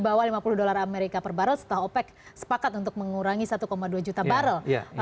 karena di bawah lima puluh dolar amerika per barrel setelah opec sepakat untuk mengurangi satu dua juta barrel